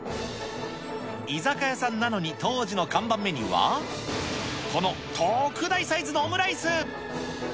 居酒屋さんなのに、当時の看板メニューは、この特大サイズのオムライス。